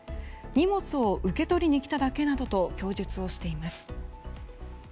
荷物を受け取りに来ただけなどと供述をしています。